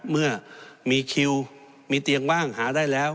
เมื่อมีคิวมีเตียงว่างหาได้แล้ว